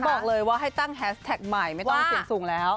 บอกเลยว่าให้ตั้งแฮสแท็กใหม่ไม่ต้องเสี่ยงสูงแล้ว